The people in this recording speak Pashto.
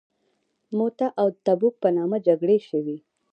موته او تبوک په نامه جګړې شوي.